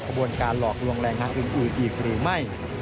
ขบวนการหลอกลวงแรงงานอื่นอีกหรือไม่